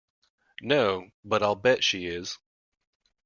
No, but I'll bet she is.